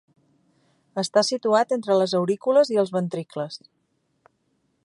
Està situat entre les aurícules i els ventricles.